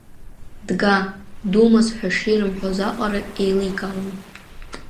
Дга, думаз ҳәа шиарымҳәоз аҟара еиликаауан.